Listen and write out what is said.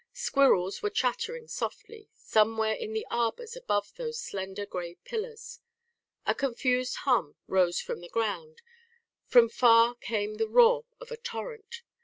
Squirrels were chattering softly, somewhere in the arbours above those slender grey pillars. A confused hum rose from the ground; from far came the roar of a torrent.